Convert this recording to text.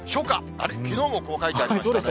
あれ、きのうもこう書いてありましたね。